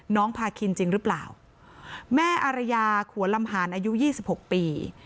น้องพากินจริงหรือเปล่าแม่อารยาขัวลำหารอายุ๒๖ปี